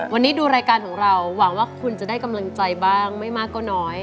วันนี้ดูรายการของเราหวังว่าคุณจะได้กำลังใจบ้างไม่มากก็น้อย